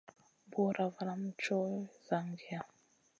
Bùra valam ma tchoho zangiya.